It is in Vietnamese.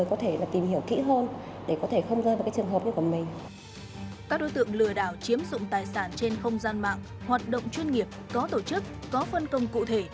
hoạt động chuyên nghiệp có tổ chức có phân công cụ thể